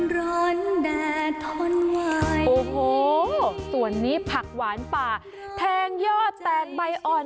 ร้อนแดดทนไหวโอ้โหส่วนนี้ผักหวานป่าแทงยอดแตกใบอ่อน